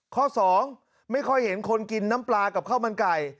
ข้อสองไม่ค่อยเห็นคนกินน้ำปลากับข้าวมันไก่